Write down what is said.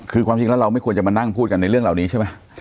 คือความจริงแล้วเราไม่ควรจะมานั่งพูดกันในเรื่องเหล่านี้ใช่ไหม